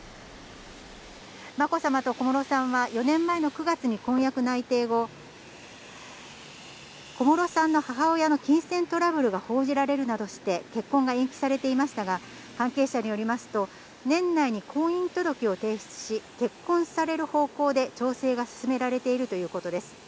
まこさまと小室さんは、４年前の９月に婚約内定後、小室さんの母親の金銭トラブルが報じられるなどして、結婚が延期されていましたが、関係者によりますと、年内に婚姻届を提出し、結婚される方向で調整が進められているということです。